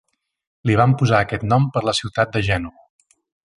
Li van posar aquest nom per la ciutat de Gènova.